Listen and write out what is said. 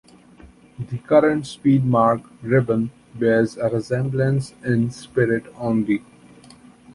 The current "Speedmarque" ribbon bears a resemblance in spirit only.